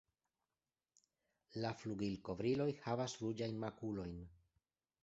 La flugilkovriloj havas ruĝajn makulojn.